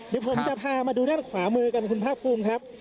เดี๋ยวผมจะพามาดูด้านขวามือกันคุณภาคภูมิครับ